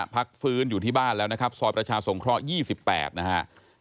พักฟื้นอยู่ที่บ้านแล้วนะครับซอยประชาสงเคราะห์๒๘นะฮะ